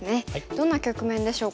どんな局面でしょうか。